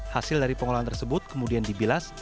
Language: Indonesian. hasil dari pengolahan tersebut kemudian dibilas